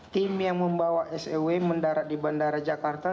tim yang membawa sew mendarat di bandara jakarta